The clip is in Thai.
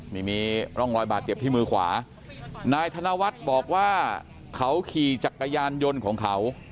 นี่มีร่องรอยบาดเจ็บที่มือขวานายธนวัฒน์บอกว่าเขาขี่จักรยานยนต์ของเขา